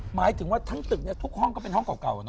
หมายถึงว่าทั้งตึกทุกห้องก็เป็นห้องเก่า